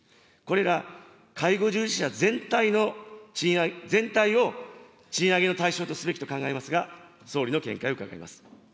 これら介護従事者全体を賃上げの対象とすべきと考えますが、総理の見解を伺います。